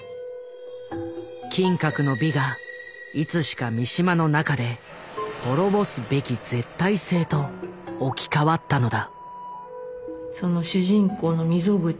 「金閣の美」がいつしか三島の中で「滅ぼすべき絶対性」と置き換わったのだ。